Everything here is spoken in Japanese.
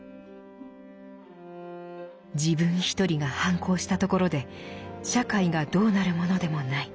「自分ひとりが反抗したところで社会がどうなるものでもない。